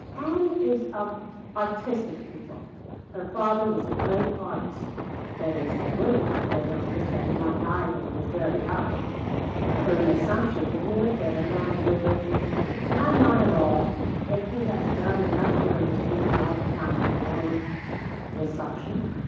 "Ann is of artistic people. Her father was a great artist. That is, he would have been a great artist had he not died when he was very young." "Rather an assumption, isn't it, that a man would have " "Why not at all, if he has done enough during his brief lifetime to warrant the assumption."